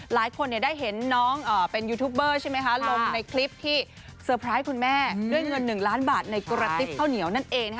หลายคนได้เห็นน้องเป็นยูทูปเบอร์ใช่ไหมคะลงในคลิปที่เซอร์ไพรส์คุณแม่ด้วยเงิน๑ล้านบาทในกระติบข้าวเหนียวนั่นเอง